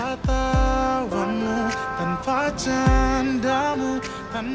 tapi sekarang aku benci banget sama kota ini